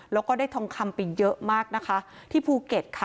แล้วก็ได้ทองคำไปเยอะมากนะคะที่ภูเก็ตค่ะ